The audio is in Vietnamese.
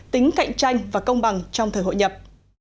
tính cạnh tranh và công bằng trong thời hội nhập